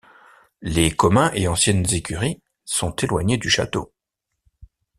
Les communs et anciennes écuries sont éloignés du château.